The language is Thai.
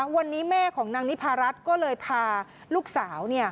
วันนี้แม่ของนางนิพารัฐก็เลยพาลูกสาว